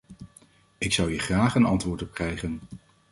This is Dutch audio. Ik zou hier graag een antwoord op krijgen.